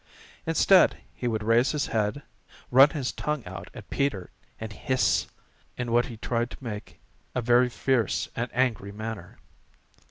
Instead he would raise his head, run his tongue out at Peter, and hiss in what he tried to make a very fierce and angry manner.